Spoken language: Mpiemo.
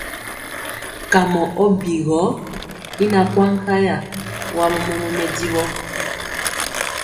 Kamɔ ɔ bigɔ i na kwaŋ nkaya, wa mɔmɔnɔ mɛdiwɔ.